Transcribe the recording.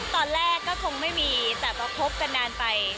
ตอนแรกก็คงไม่มีแต่พอคบกันนานไป